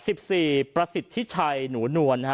สิบสี่ประสิทธิชัยหนูนวลนะฮะ